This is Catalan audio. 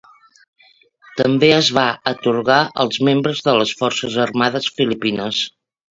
També es va atorgar als membres de les Forces Armades Filipines.